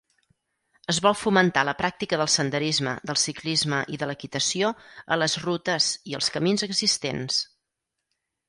Es vol fomentar la pràctica del senderisme, del ciclisme i de l'equitació a les rutes i als camins existents.